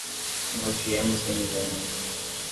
Nós viemos de Millena.